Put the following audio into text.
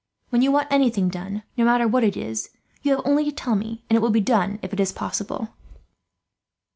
When you want anything done, no matter what it is, you have only to tell me, and it will be done, if it is possible."